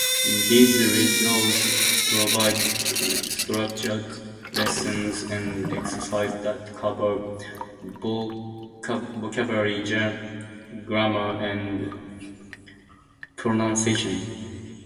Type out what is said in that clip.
These resources provide structured lessons and exercises that cover vocabulary, grammar, and pronunciation.